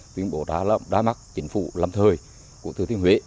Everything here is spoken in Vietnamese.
tuyên bộ đã đá mắt chính phủ lâm thời của thừa thiên huế